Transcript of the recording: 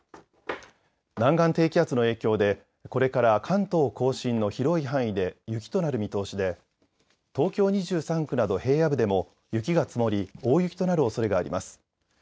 南岸低気圧の影響で、これから関東甲信の広い範囲で雪となる見通しで東京２３区など平野部でも雪が積もり大雪となるおそれがあります。